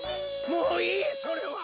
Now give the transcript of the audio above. もういいそれは！